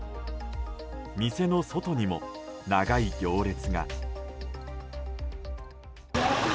店の外にも長い行列が。